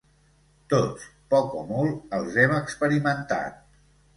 Tots, poc o molt, els hem experimentat.